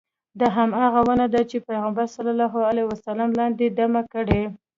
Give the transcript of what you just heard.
دا همغه ونه ده چې پیغمبر صلی الله علیه وسلم لاندې دمه کړې.